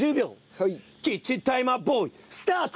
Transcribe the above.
キッチンタイマーボーイスタート！